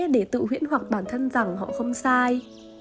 để tự huyễn hoặc bản thân rằng họ không sai